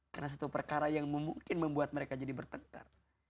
karena satu perkara yang memungkinkan membuat mereka jadi bertengkar